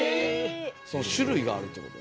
その種類があるってこと？